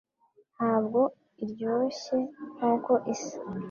Ntabwo iryoshye nkuko isa